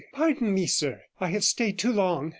'Pardon me, sir, I have stayed too long.